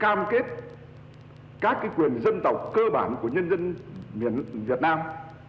cảm kết các quyền dân tộc cơ bản của nhân dân việt nam